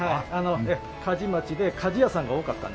鍛冶町で鍛冶屋さんが多かったんですね